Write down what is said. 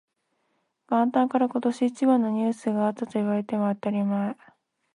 元旦から今年一番のニュースがあったと言われても当たり前